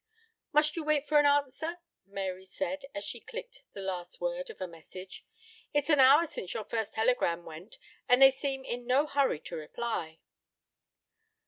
"Must you wait for an answer?" Mary said, as she clicked the last word of a message. "It's an hour since your first telegram went, and they seem in no hurry to reply."